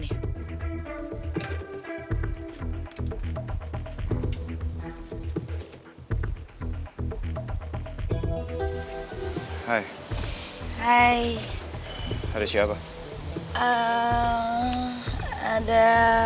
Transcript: hai hai hai hai ada siapa ada